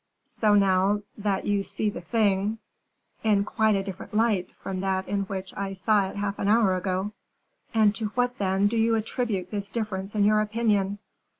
"So now that you see the thing " "In quite a different light from that in which I saw it half an hour ago." "And to what, then, do you attribute this difference in your opinion?"